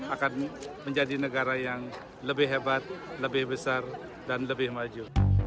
akan menjadi negara yang lebih hebat lebih besar dan lebih maju